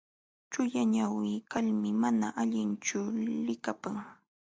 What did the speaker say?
Chullañawi kalmi mana allintachu likapan.